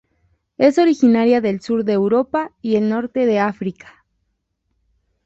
Es originaria del sur de Europa y el Norte de África.